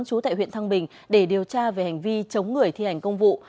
trú tại huyện thăng bình để điều tra về hành vi chống người thi hành công vụ